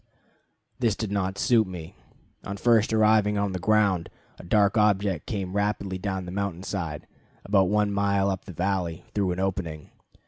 This did not suit me. On first arriving on the ground, a dark object came rapidly down the mountain side, about one mile up the valley, through an opening.